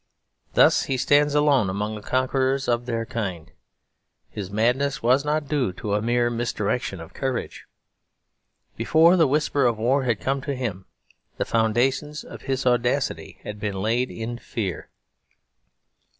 Thus he stands alone among the conquerors of their kind; his madness was not due to a mere misdirection of courage. Before the whisper of war had come to him the foundations of his audacity had been laid in fear.